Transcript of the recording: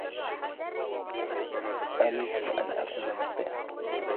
أملت أن أكون مخطئا.